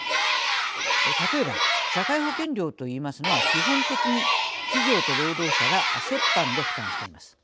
例えば社会保険料と言いますのは基本的に企業と労働者が折半で負担しています。